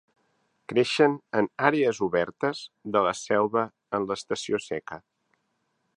Creixen en àrees obertes de la selva en l'estació seca.